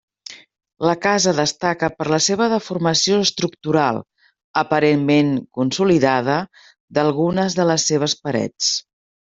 La casa destaca per la seva deformació estructural, aparentment consolidada, d'algunes de les seves parets.